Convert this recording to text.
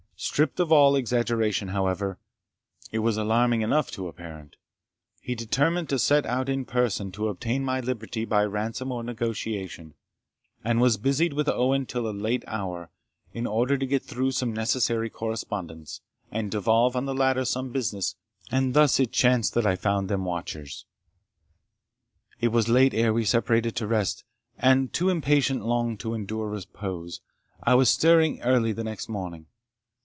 Stripped of all exaggeration, however, it was alarming enough to a parent. He determined to set out in person to obtain my liberty by ransom or negotiation, and was busied with Owen till a late hour, in order to get through some necessary correspondence, and devolve on the latter some business which should be transacted during his absence; and thus it chanced that I found them watchers. It was late ere we separated to rest, and, too impatient long to endure repose, I was stirring early the next morning.